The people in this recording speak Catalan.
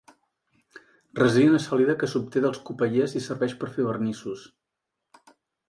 Resina sòlida que s'obté dels copaiers i serveix per fer vernissos.